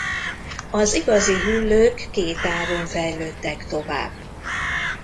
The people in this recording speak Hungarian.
Az igazi hüllők két ágon fejlődtek tovább.